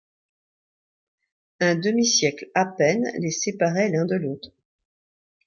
Un demi-siècle à peine les spéarait l'un de l'autre.